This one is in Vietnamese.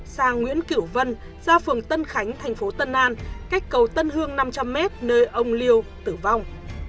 sang nguyễn cửu vân ra phường tân khánh thành phố tân an cách cầu tân hương năm trăm linh m nơi ông liêu tử vong